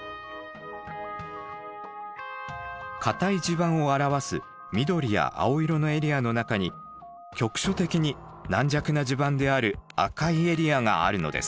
固い地盤を表す緑や青色のエリアの中に局所的に軟弱な地盤である赤いエリアがあるのです。